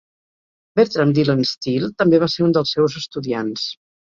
Bertram Dillon Steele també va ser un dels seus estudiants.